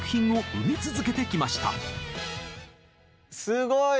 すごい！